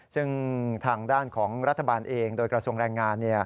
ซึ่งทางด้านของรัฐบาลเองโดยกระทรวงแรงงาน